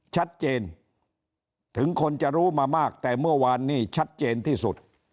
ชัดเจนถึงคนจะรู้มามากแต่เมื่อวานนี้ชัดเจนที่สุด